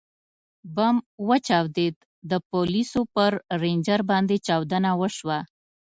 ـ بم وچاودېد، د پولیسو پر رینجر باندې چاودنه وشوه.